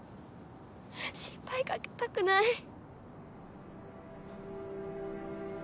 心配かけたくない。